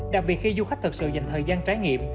đặc biệt khi du khách thực sự dành thời gian trải nghiệm